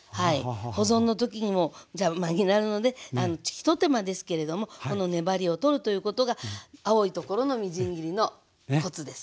保存の時にも邪魔になるので一手間ですけれどもこの粘りを取るということが青いところのみじん切りのコツです。